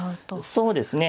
そうですね。